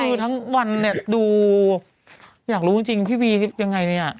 คือทั้งวันเนี่ยดูอยากรู้จริงพี่วียังไงเนี่ย